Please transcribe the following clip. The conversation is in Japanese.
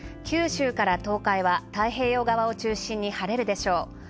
九州から東海は太平洋側を中心に晴れるでしょう。